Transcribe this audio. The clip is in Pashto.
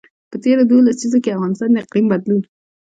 په تېرو دوو لسیزو کې افغانستان د اقلیم بدلون.